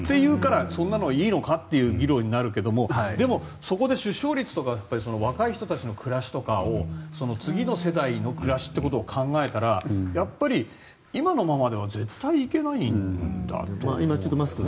そんなのはいいのかって議論になるけどそこで出生率とか若い人たちの暮らし次の世代の暮らしを考えたらやっぱり今のままでは絶対いけないんだと思いますが。